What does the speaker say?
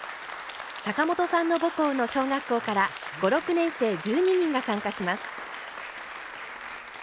坂本さんの母校の小学校から５６年生１２人が参加します。